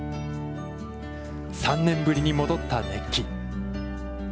３年ぶりに戻った熱気。